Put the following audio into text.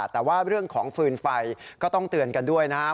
แต่ว่าเรื่องของฟืนไฟก็ต้องเตือนกันด้วยนะครับ